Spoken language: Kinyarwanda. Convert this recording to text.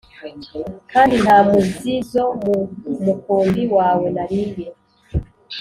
kandi nta m zi zo mu mukumbi wawe nariye